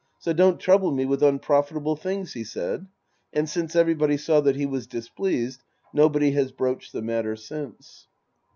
So don't trouble me with unprofitable things," he said, and, since everybody saw that he was displeas ed, nobody has broached the matter since.